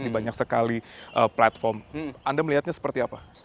di banyak sekali platform anda melihatnya seperti apa